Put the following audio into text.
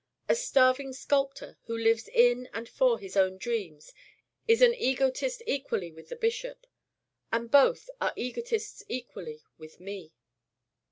A starving sculptor who lives in and for his own dreams is an Egotist equally with the bishop. And both are Egotists equally with me.